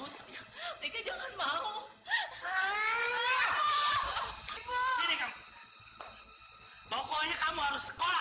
sampai kapanpun mereka gak mau sekolah